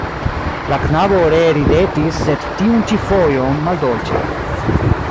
La knabo ree ridetis, sed tiun ĉi fojon maldolĉe.